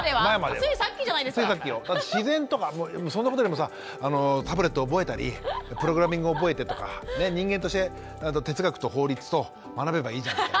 だって自然とかそんなことよりもさタブレット覚えたりプログラミング覚えてとか人間として哲学と法律と学べばいいじゃんって。